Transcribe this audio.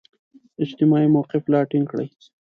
اجتماعي موقف لا ټینګ کړي.